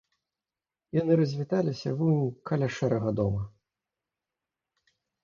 Яны развіталіся вунь каля шэрага дома.